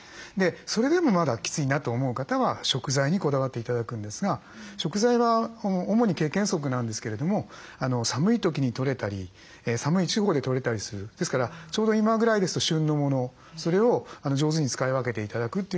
それでもまだきついなと思う方は食材にこだわって頂くんですが食材は主に経験則なんですけれども寒い時に取れたり寒い地方で取れたりするですからちょうど今ぐらいですと旬のものそれを上手に使い分けて頂くっていうのがコツなんですね。